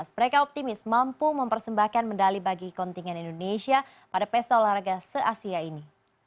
mereka optimis mampu mempersembahkan medali bagi kontingen indonesia pada pesta olahraga se asia ini